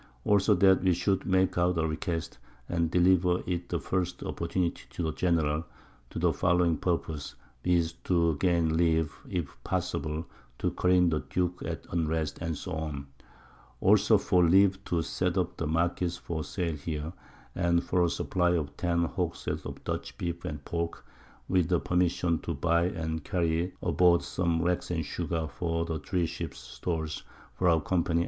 Also that we should make out a Request, and deliver it the first Opportunity to the General, to the following Purpose_, viz. to gain Leave, if possible, to careen the Duke at Unrest, &c. Also for Leave to set up the Marquiss for Sale here, and for a Supply of 10 Hogsheads of Dutch _Beef and Pork, with a Permission to buy and carry aboard some Rack and Sugar for the 3 Ships Stores for our Company, &c.